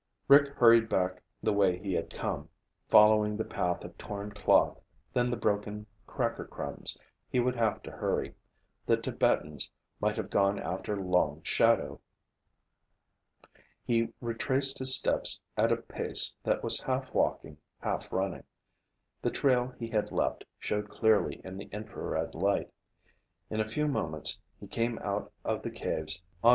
Rick hurried back the way he had come, following the path of torn cloth, then the broken cracker crumbs. He would have to hurry. The Tibetans might have gone after Long Shadow! He retraced his steps at a pace that was half walking, half running. The trail he had left showed clearly in the infrared light.